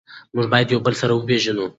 موږ باید یو بل سره وپیژنو.